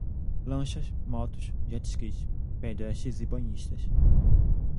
lanchas, motos, jet-skis, pedestres e banhistas